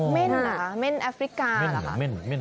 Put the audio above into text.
เม่นเหรอเม่นแอฟริกาหรือคะ